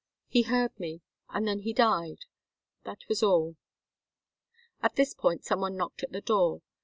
He heard me, and then he died that was all." At this point some one knocked at the door.